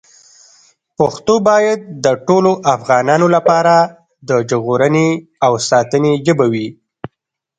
پښتو باید د ټولو افغانانو لپاره د ژغورنې او ساتنې ژبه وي.